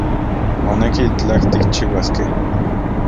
Moneki itlaj tikchiuaskej